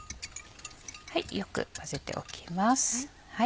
よく混ぜておきます。